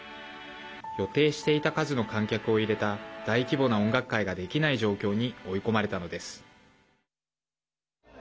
予定していた数の観客を入れた大規模な音楽会ができない状況に追い込まれたのです。